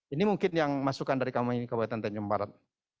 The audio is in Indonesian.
ini mungkin yang masukan dari kami kabupaten tanjung barat